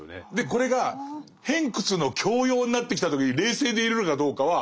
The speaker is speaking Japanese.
これが偏屈の強要になってきた時に冷静でいれるかどうかは。